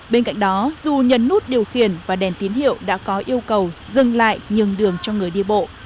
bên cạnh đó dù nhấn nút điều khiển và đèn tín hiệu đã có yêu cầu dừng lại nhường đường cho người đi bộ